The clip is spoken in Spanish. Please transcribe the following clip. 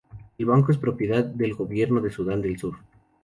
El banco es propiedad del Gobierno de Sudán del Sur.